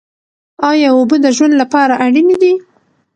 ایا اوبه د ژوند لپاره اړینې دي؟